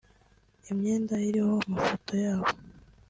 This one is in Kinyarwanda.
imyenda iriho amafoto yabo